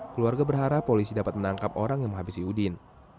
keluarga berharap polisi dapat menangkap orang yang menghabisi udin